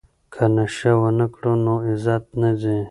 که نشه ونه کړو نو عزت نه ځي.